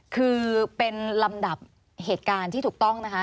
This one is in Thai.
คือเป็นลำดับเหตุการณ์ที่ถูกต้องนะคะ